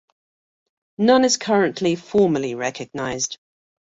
None is currently formally recognized.